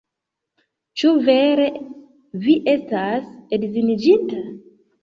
Ĉu vere vi estas edziniĝinta?